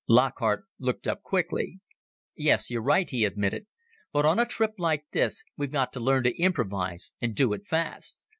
Lockhart looked up quickly. "Yes, you're right," he admitted. "But on a trip like this we've got to learn to improvise and do it fast.